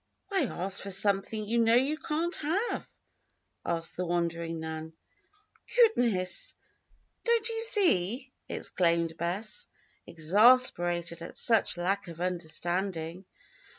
"Why ask for something you know you can't have?" asked the wondering Nan. "Goodness! don't you see?" exclaimed Bess, exasperated at such lack of understanding.